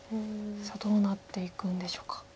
さあどうなっていくんでしょうか。